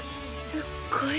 すっごい